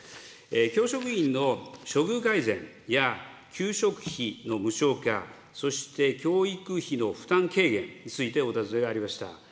教職員の処遇改善や給食費の無償化、そして教育費の負担軽減についてお尋ねがありました。